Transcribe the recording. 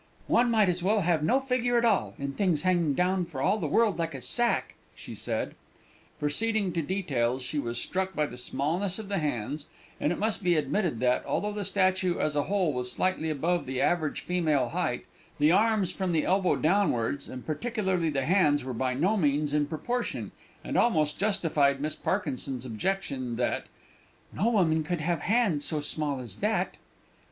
"One might as well have no figure at all in things hanging down for all the world like a sack," she said. Proceeding to details, she was struck by the smallness of the hands; and it must be admitted that, although the statue as a whole was slightly above the average female height, the arms from the elbow downwards, and particularly the hands, were by no means in proportion, and almost justified Miss Parkinson's objection, that "no woman could have hands so small as that."